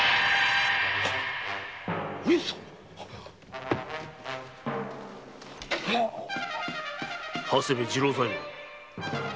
上様長谷部次郎左衛門潔く